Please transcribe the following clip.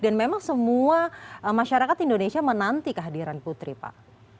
dan memang semua masyarakat indonesia menanti kehadiran putri pak